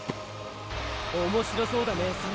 面白そうだねそれ。